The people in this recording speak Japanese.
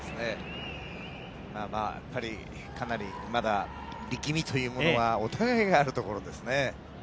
まあ、かなりまだ力みというものはお互いがあるところですね。